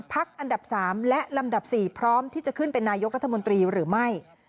อันดับ๓และลำดับ๔พร้อมที่จะขึ้นเป็นนายกรัฐมนตรีหรือไม่